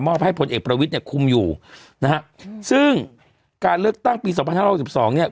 ให้พลเอกประวิทย์เนี่ยคุมอยู่นะฮะซึ่งการเลือกตั้งปีสองพันห้าร้อยหกสิบสองเนี่ย